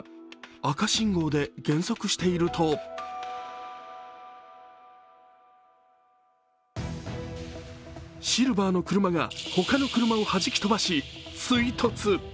赤信号で減速しているとシルバーの車が他の車をはじき飛ばし、追突。